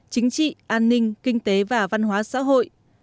chính trị an ninh kinh tế và văn hóa xã hội